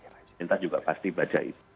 kita juga pasti baca itu